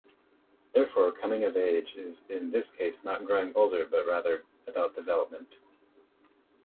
Therefore, coming-of-age is in this case not growing older but rather about development.